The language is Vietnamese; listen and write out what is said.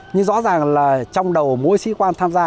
nhưng rõ ràng là trong đầu mối sĩ quan tham gia